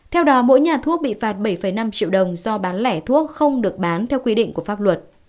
theo đó mỗi nhà thuốc bị phạt bảy năm triệu đồng do bán lẻ thuốc không được bán theo quy định của pháp luật